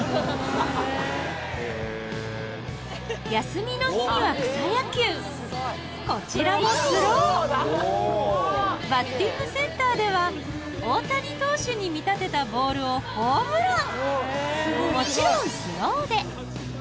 休みの日には草野球こちらもバッティングセンターでは大谷投手に見立てたボールをホームラン